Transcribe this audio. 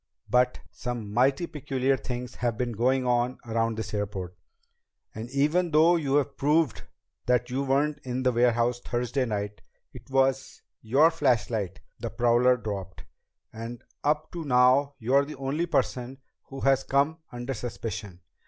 But some mighty peculiar things have been going on around this airport. And even though you proved that you weren't in the warehouse Thursday night, it was your flashlight the prowler dropped, and up to now you're the only person who has come under suspicion.